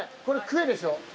これクエでしょ？